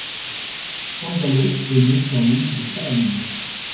Pángalos est né sur l'île de Salamine.